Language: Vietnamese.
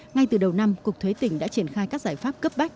ngay từ đầu năm cục thuế tỉnh đã triển khai các giải pháp cấp bách